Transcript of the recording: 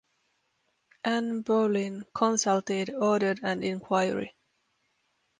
Anne Boleyn, consulted, ordered an inquiry.